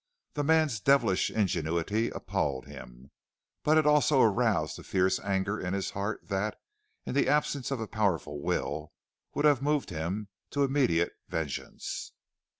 The man's devilish ingenuity appalled him, but it also aroused a fierce anger in his heart that, in the absence of a powerful will, would have moved him to immediate vengeance.